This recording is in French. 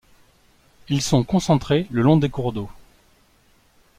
Ils sont concentrés le long des cours d'eau.